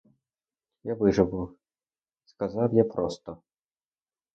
Я виживу, — сказав я просто.